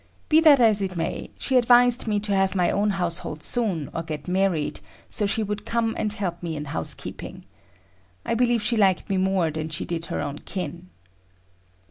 Be that as it may, she advised me to have my own household soon, or get married, so she would come and help me in housekeeping. I believe she liked me more than she did her own kin.